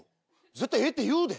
絶対「ええ」って言うで。